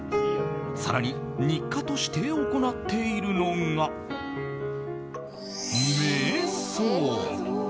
更に日課として行っているのが瞑想。